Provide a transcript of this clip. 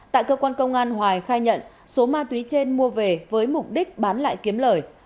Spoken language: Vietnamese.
tại cơ quan công an hoài khai nhận số ma túy trên mua về với mục đích bán lại kiếm lời